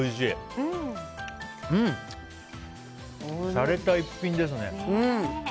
しゃれた一品ですね。